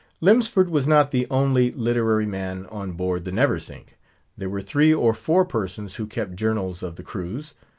Lemsford was not the only literary man on board the Neversink. There were three or four persons who kept journals of the cruise.